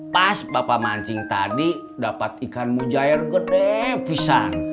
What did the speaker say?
pas bapak mancing tadi dapat ikan mujair gede pisang